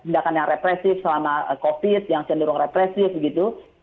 tindakan yang represif selama covid yang cenderung represif begitu